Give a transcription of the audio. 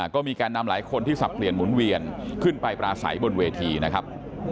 ก็มีแกนนำหลายคนที่สับเปลี่ยนหมุนเวียนขึ้นไปปราศัยบนเวทีนะครับ